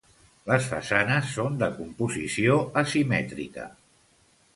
Les façanes són de composició asimètrica.